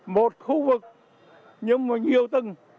một khu vực nhưng mà nhiều tầng